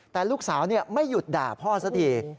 แต่ลูกสาวไม่หยุดด่าพ่อซะที